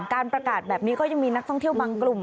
การประกาศแบบนี้ก็ยังมีนักท่องเที่ยวบางกลุ่ม